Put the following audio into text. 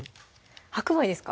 白米ですか？